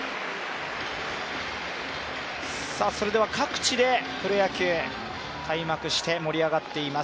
それでは各地でプロ野球開幕して盛り上がっています。